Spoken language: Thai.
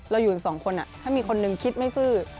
อยู่กันสองคนถ้ามีคนหนึ่งคิดไม่ซื่อ